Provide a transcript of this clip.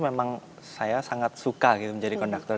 memang saya sangat suka gitu menjadi konduktor